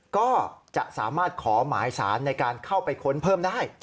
ก็จะสามารถขอหมายสารในการเข้าไปค้นเพิ่มได้